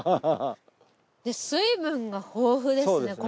水分が豊富ですねこれ。